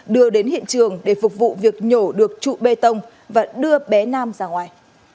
đưa đến hiện trường để phục vụ việc nhổ được trụ bê tông và đưa bé nam ra ngoài